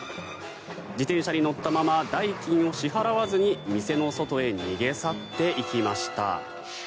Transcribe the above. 自転車に乗ったまま代金を支払わずに店の外へ逃げ去っていきました。